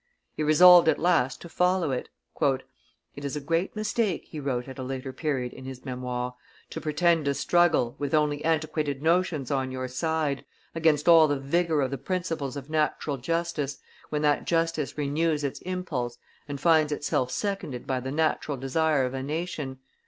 He resolved at last to follow it. "It is a great mistake," he wrote at a later period in his Memoires, "to pretend to struggle, with only antiquated notions on your side, against all the vigor of the principles of natural justice, when that justice renews its impulse and finds itself seconded by the natural desire of a nation.